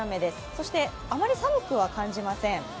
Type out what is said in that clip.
そしてあまり寒くは感じません。